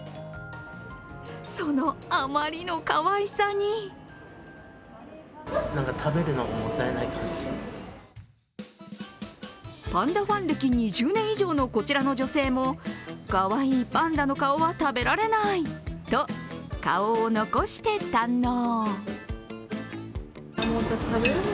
そのあまりのかわいさにパンダファン歴２０年以上のこちらの女性もかわいいパンダの顔は食べられない、と顔を残して堪能。